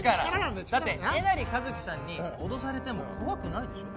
だってえなりかずきさんに脅されても怖くないでしょ？